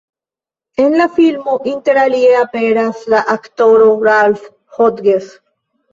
En la filmo interalie aperas la aktoro Ralph Hodges.